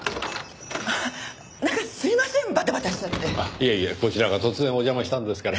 いえいえこちらが突然お邪魔したんですから。